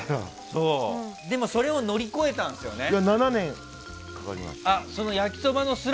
でもそれを乗り越えたんですよね。